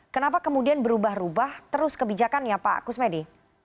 kenapa kemudian berubah ubah terus kebijakannya pak kusmedi